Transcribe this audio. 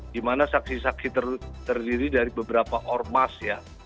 dimana saksi saksi terdiri dari beberapa ormas ya